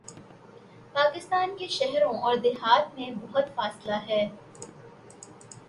پاکستان کے شہروں اوردیہات میں بہت فاصلہ ہے۔